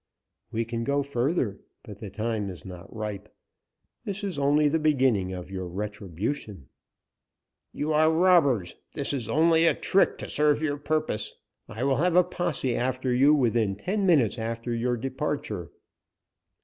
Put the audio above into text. "We can go further, but the time is not ripe. This is only the beginning of your retribution." "You are robbers! This is only a trick to serve your purpose! I will have a posse after you within ten minutes after your departure!"